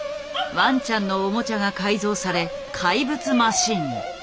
ワンちゃんのオモチャが改造され怪物マシンに。